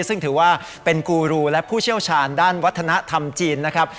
ซึ่งถือว่าเป็นกูรูและผู้เชี่ยวชาญด้านวัฒนธรรมจีนนะครับ